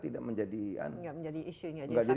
tidak menjadi isu